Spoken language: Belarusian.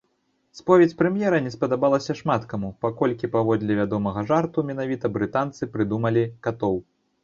Споведзь прэм'ера не спадабалася шмат каму, паколькі, паводле вядомага жарту, менавіта брытанцы прыдумалі катоў.